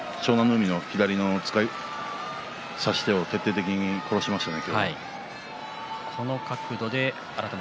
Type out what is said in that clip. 海の差し手を徹底的に殺しましたね。